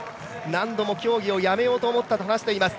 何度も競技をやめようと思ったと話しています。